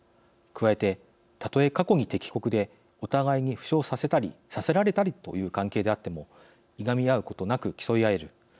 加えて、たとえ過去に敵国でお互いに負傷させたりさせられたりという関係であってもいがみ合うことなく競い合える。